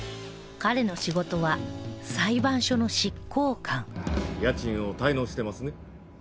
彼の仕事は裁判所の執行官家賃を滞納してますね？